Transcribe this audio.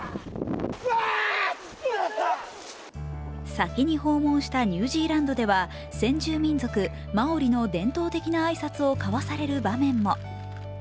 先に訪問したニュージーランドでは、先住民族・マオリの伝統的な挨拶を交わされる場面も。